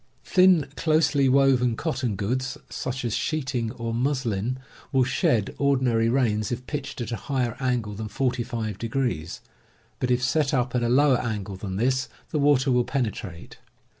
Thin, closely woven cotton goods, such as sheeting or muslin, will shed ordinary rains if pitched at a higher angle than 45°, but if set up at a lower angle than this, the water will penetrate.